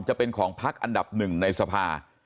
จะเป็นของพักอันดับหนึ่งในสภา